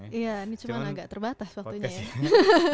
iya ini cuma agak terbatas waktunya ya